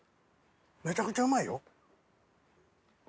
めちゃくちゃうまいよ。